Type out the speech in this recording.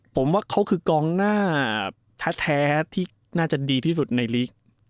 ผมว่าเขาคือกองหน้าแท้ที่น่าจะดีที่สุดในลีก